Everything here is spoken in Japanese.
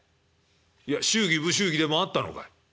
「いや祝儀不祝儀でもあったのかい？」。